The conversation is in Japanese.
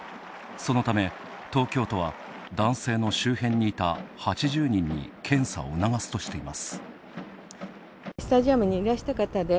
そのため、東京都は男性の周辺にいた８０人に検査を促すとしています。